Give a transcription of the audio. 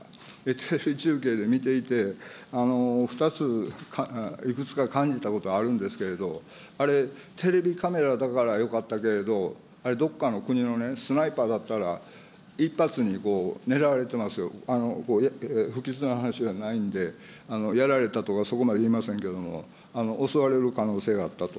テレビ中継で見ていて、２つ、いくつか感じたことがあるんですけれど、あれ、テレビカメラだからよかったけれど、あれ、どこかの国のスナイパーだったら、一発に狙われてますよ、不吉な話じゃないんで、やられたとか、そこまでいいませんけれども、襲われる可能性があったと。